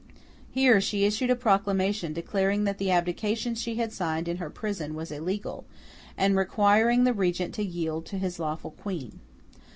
Here, she issued a proclamation declaring that the abdication she had signed in her prison was illegal, and requiring the Regent to yield to his lawful Queen.